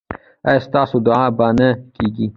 ایا ستاسو دعا به نه کیږي؟